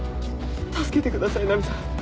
助けてくださいナミさん。